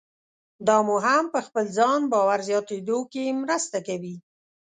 دا مو هم په خپل ځان باور زیاتېدو کې مرسته کوي.